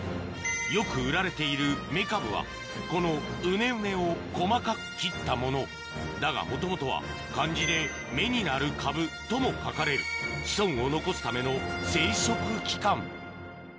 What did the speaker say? よく売られているメカブはこのウネウネを細かく切ったものだがもともとは漢字で「芽になる株」とも書かれる子孫を残すためのはい。